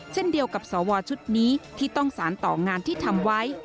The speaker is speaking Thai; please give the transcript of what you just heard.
เช่นเดียวกับสวชุดนี้ที่ต้องสารต่องานที่ทำไว้